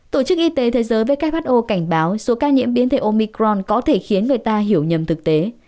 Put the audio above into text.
tổ chức y tế thế giới who cảnh báo số ca nhiễm biến thể omicron có thể khiến người ta hiểu nhầm thực tế